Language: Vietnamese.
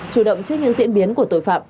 chủ động trước những diễn biến của tội phạm